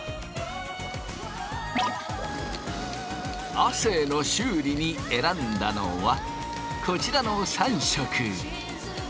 亜生の修理に選んだのはこちらの３色。